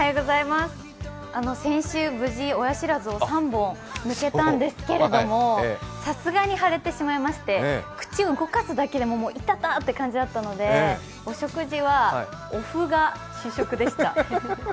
先週、無事、親しらずを３本抜けたんですけれども、さすがに腫れてしまいまして口を動かすだけでもいたたって感じだったのでお食事はお麩が主食でした。